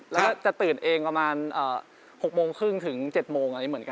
แล้วก็จะตื่นเองประมาณ๖โมงครึ่งถึง๗โมงอะไรเหมือนกัน